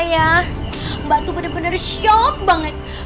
yang kamu suka nervesa banget